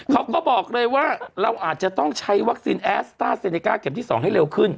เขาก็บอกเลยว่าเราอาจจะต้องใช้วัคซีนแอสต้าเซเนก้าเข็มที่๒ให้เร็วขึ้น